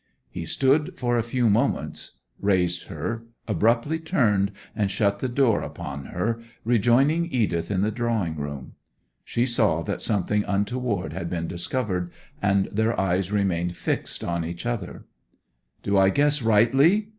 He stood a few moments, raised her, abruptly turned, and shut the door upon her, rejoining Edith in the drawing room. She saw that something untoward had been discovered, and their eyes remained fixed on each other. 'Do I guess rightly?